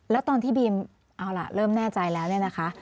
แล้วตอนที่บีมเอาล่ะเริ่มแน่ใจแล้วเนี่ยนะคะ